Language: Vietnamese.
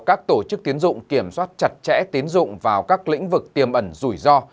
các tổ chức tiến dụng kiểm soát chặt chẽ tiến dụng vào các lĩnh vực tiềm ẩn rủi ro